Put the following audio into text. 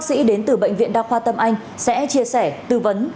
bác sĩ đến từ bệnh viện đa khoa tâm anh sẽ chia sẻ tư vấn